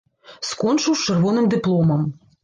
Скончыў з чырвоным дыпломам.